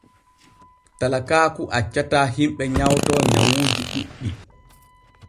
Talakaaku accataa himɓe nyawto nyawuuji ɗuuɗɗi.